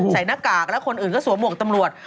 หน้ากากแล้วคนอื่นก็สวมหวกตำรวจ